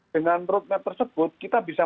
dengan roadmap tersebut kita bisa